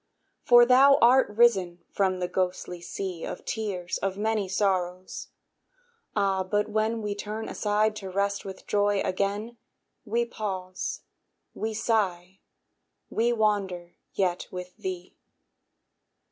For thou art risen from the ghostly sea Of tears of many sorrows. Ah! but when We turn aside to rest with Joy again, We pause, we sigh, we wander yet with thee.